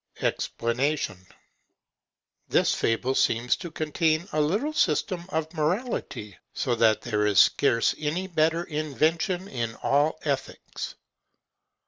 EXPLANATION.—This fable seems to contain a little system of morality, so that there is scarce any better invention in all ethics.